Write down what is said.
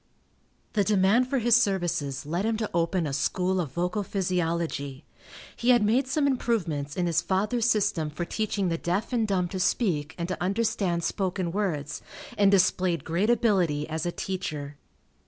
The demand for his services led him to open a School of Vocal Physiology. He had made some improvements in his father's system for teaching the deaf and dumb to speak and to understand spoken words, and displayed great ability as a teacher.